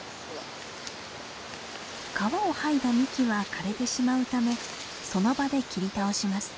皮を剥いだ幹は枯れてしまうためその場で切り倒します。